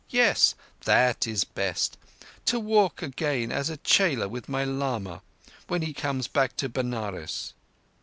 Yes; that is best. To walk again as a chela with my lama when he comes back to Benares."